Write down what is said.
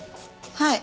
はい。